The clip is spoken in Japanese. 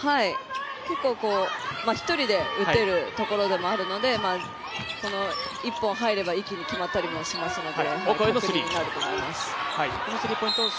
結構、一人で打てるところでもあるので、この一本入れば一気に決まったりもするので。